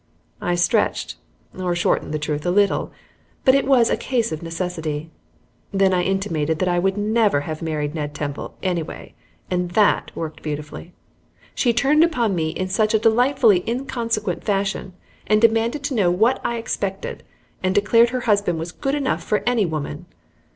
I stretched or shortened the truth a little, but it was a case of necessity. Then I intimated that I never would have married Ned Temple, anyway, and THAT worked beautifully. She turned upon me in such a delightfully inconsequent fashion and demanded to know what I expected, and declared her husband was good enough for any woman.